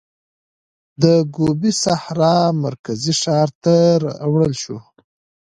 د ګوبي سحرا مرکزي ښار ته راوړل شو.